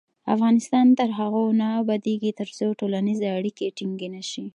افغانستان تر هغو نه ابادیږي، ترڅو ټولنیزې اړیکې ټینګې نشي.